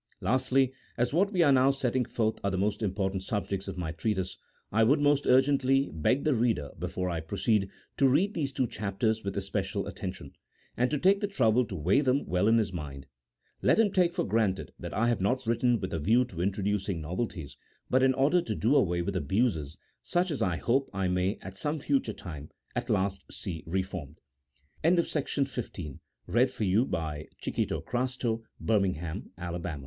Lastly, as what we are now setting forth are the most important subjects of my treatise, I would most urgently beg the reader, before I proceed, to read these two chapters with especial attention, and to take the trouble to weigh them well in his mind: let him take for granted that I have not written with a view to introducing novelties, but in order to do away with abuses, such as 1 hope I may, at some future time, at last see reformed. 190 A THEOLOGICO POLITICAL TREATISE. [CHAP. XV.